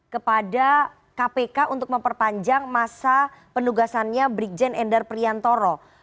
kepada kpk untuk memperpanjang masa penugasannya brigjen endar priantoro